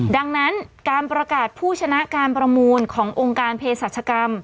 ดังนั้นการประกาศผู้ชนะการประมูลขององค์การเพศรัชกรรม